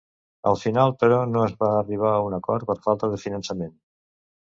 Al final però no es va arribar a un acord per falta de finançament.